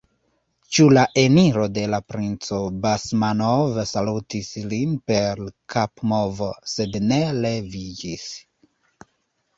Ĉu la eniro de la princo Basmanov salutis lin per kapmovo, sed ne leviĝis.